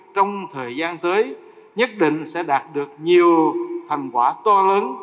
trong thời gian tới nhất định sẽ đạt được nhiều thành quả to lớn